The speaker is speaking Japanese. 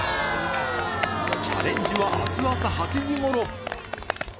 チャレンジはあす朝８時ごろ。